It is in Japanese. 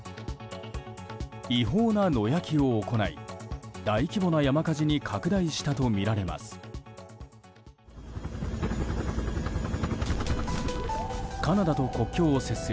違法な野焼きを行い大規模な山火事に拡大したとみられます。